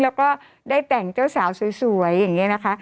แล้วก็ได้แต่งเจ้าสาวสวยอย่างนี้นะคะ